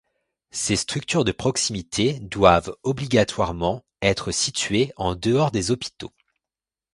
Ces structures de proximité doivent obligatoirement être situées en dehors des hôpitaux.